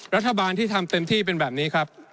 รัฐบาลที่ทำเต็มที่เป็นแบบนี้ครับ